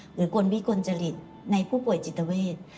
หรือกลวิกลจริตในผู้ป่วยจิตเวท